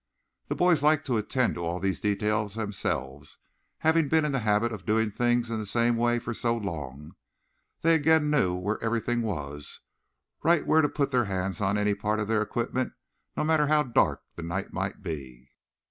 The boys liked to attend to all these details themselves, having been in the habit of doing things in the same way for so long. Then again they knew where everything was, right where to put their hands on any part of their equipment no matter how dark the night might be.